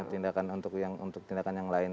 tindakan untuk yang lain